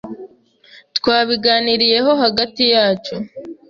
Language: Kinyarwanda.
Twabiganiriyeho hagati yacu.